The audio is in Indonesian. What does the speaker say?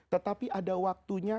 tetapi ada waktunya